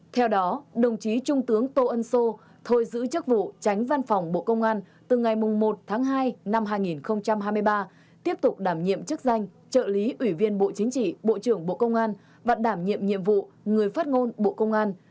theo đó đồng chí trung tướng tô ân sô thôi giữ chức vụ tránh văn phòng bộ công an từ ngày một tháng hai năm hai nghìn hai mươi ba tiếp tục đảm nhiệm chức danh trợ lý ủy viên bộ chính trị bộ trưởng bộ công an và đảm nhiệm nhiệm vụ người phát ngôn bộ công an